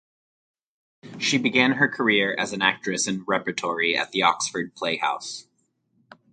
She began her career as an actress in repertory at the Oxford Playhouse.